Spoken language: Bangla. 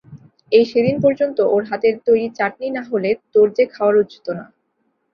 এই সেদিন পর্যন্ত ওর হাতের তৈরি চাটনি না হলে তোর যে খাওয়া রুচত না।